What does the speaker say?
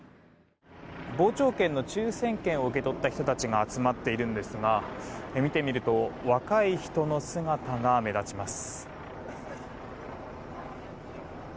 傍聴券の抽選券を受け取った人たちが集まっているんですが見てみると若い人の姿が目立ちます。